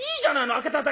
開けただけ」。